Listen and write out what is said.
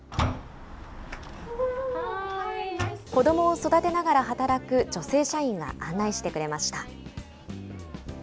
子どもを育てながら働く女性社員が案内してくれました。